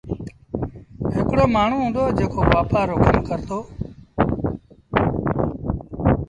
هڪڙو مآڻهوٚٚݩ هُݩدو جيڪو وآپآر رو ڪم ڪرتو